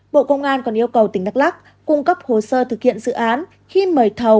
bộ công an còn yêu cầu tỉnh đắk lắc cung cấp hồ sơ thực hiện dự án khi mời thầu